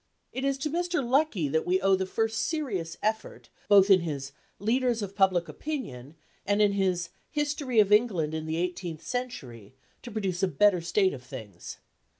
It is to Mr. Lecky that we owe the first serious effort, both in his Leaders of Public Opinion and in his History of England in the Eighteenth Century, to produce a better state of things.